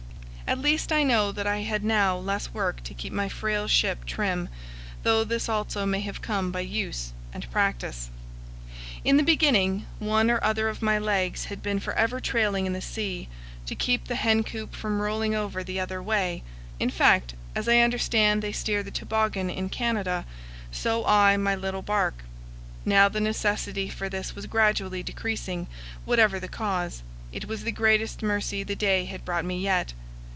At least I know that I had now less work to keep my frail ship trim, though this also may have come by use and practice. In the beginning one or other of my legs had been for ever trailing in the sea, to keep the hen coop from rolling over the other way; in fact, as I understand they steer the toboggan in Canada, so I my little bark. Now the necessity for this was gradually decreasing; whatever the cause, it was the greatest mercy the day had brought me yet.